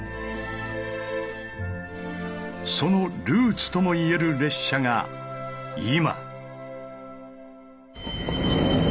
そのルーツともいえる列車が今。